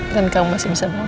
dan kamu masih bisa bawa